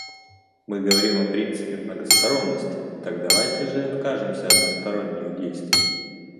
Мы говорим о принципе многосторонности; так давайте же откажемся от односторонних действий.